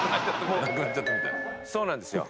そうなんですよ。